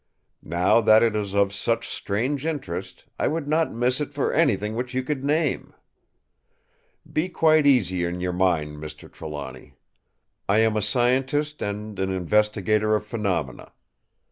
Now that it is of such strange interest, I would not miss it for anything which you could name. Be quite easy in your mind, Mr. Trelawny. I am a scientist and an investigator of phenomena.